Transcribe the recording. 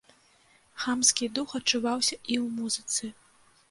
Хамскі дух адчуваўся і ў музыцы.